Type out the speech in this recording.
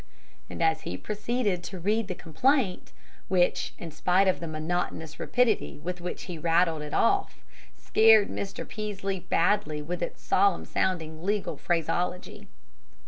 And he proceeded to read the complaint, which, in spite of the monotonous rapidity with which he rattled it off, scared Mr. Peaslee badly with its solemn sounding legal phraseology.